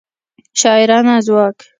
شاعرانه ځواک